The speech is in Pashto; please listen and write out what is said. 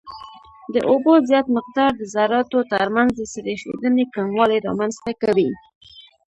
د اوبو زیات مقدار د ذراتو ترمنځ د سریښېدنې کموالی رامنځته کوي